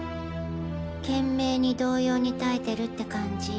懸命に動揺に耐えてるって感じ。